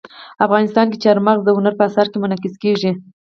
افغانستان کې چار مغز د هنر په اثار کې منعکس کېږي.